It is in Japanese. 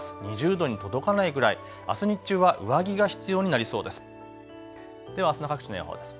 ２０度に届かないぐらい、あす日中は上着が必要になりそうです。